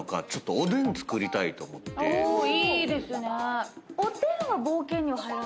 おいいですね。